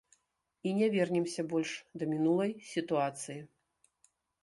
І не вернемся больш да мінулай сітуацыі.